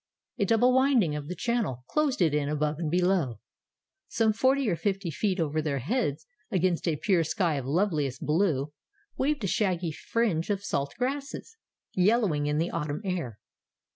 A double winding of the channel closed it in above and below. Some forty or fifty feet over their heads, against a pure sky of loveliest blue, waved a shaggy fringe of salt grasses, yellowing in the autumn air.